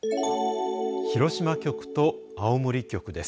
広島局と青森局です。